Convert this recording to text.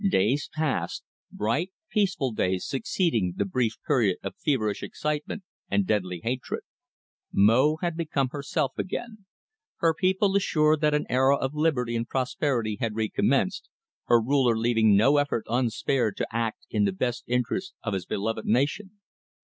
Days passed bright, peaceful days succeeding the brief period of feverish excitement and deadly hatred. Mo had become herself again; her people assured that an era of liberty and prosperity had recommenced, her ruler leaving no effort unspared to act in the best interests of his beloved nation.